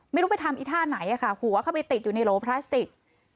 ไม่รู้ไปทำอีท่าไหนค่ะหัวเข้าไปติดอยู่ในโหลพลาสติก